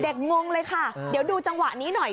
งงเลยค่ะเดี๋ยวดูจังหวะนี้หน่อย